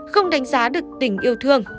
không đánh giá được tình yêu thương